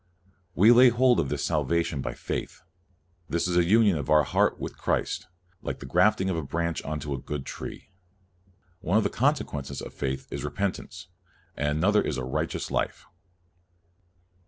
We lay hold of this salvation by faith. This is a union of our heart with Christ, like the grafting of a branch into a good tree. One of the consequences of faith is repentance, and another is a right eous life.